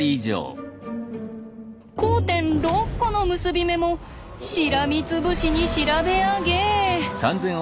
交点６コの結び目もしらみつぶしに調べ上げ。